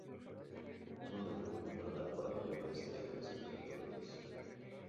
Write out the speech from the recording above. Es un refugio invernal para millones de aves migratorias.